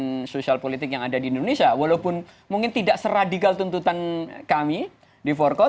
kemudian sosial politik yang ada di indonesia walaupun mungkin tidak seradikal tuntutan kami di forkot